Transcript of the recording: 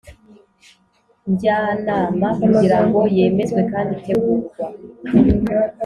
Njyanama kugira ngo yemezwe kandi itegurwa